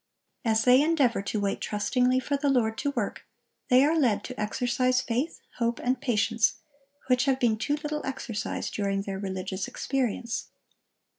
As they endeavor to wait trustingly for the Lord to work, they are led to exercise faith, hope, and patience, which have been too little exercised during their religious experience.